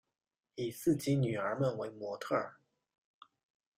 以自己女儿们为模特儿